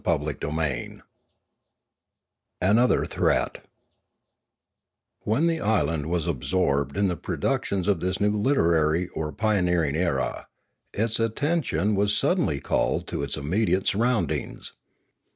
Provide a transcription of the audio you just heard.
CHAPTER VIII ANOTHER THREAT WHEN the island was absorbed in the productions of this new literary or pioneering era, its attention was suddenly called to its immediate sur roundings.